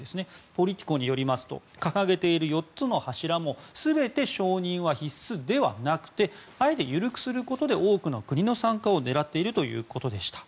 ポリティコによりますと掲げている４つの柱も全て承認は必須ではなくてあえて緩くすることで多くの国の参加を狙っているということでした。